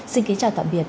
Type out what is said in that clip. xin kính chào tạm biệt